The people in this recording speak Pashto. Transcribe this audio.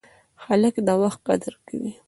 هلک د وخت قدر کوي.